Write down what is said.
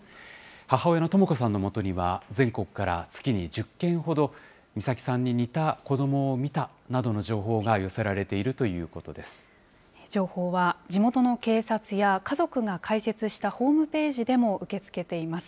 母親のとも子さんのもとには、全国から月に１０件ほど、美咲さんに似た子どもを見たなどの情報が寄せられているというこ情報は地元の警察や、家族が開設したホームページでも受け付けています。